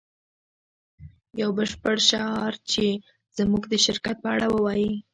یو بشپړ شعار چې زموږ د شرکت په اړه ووایی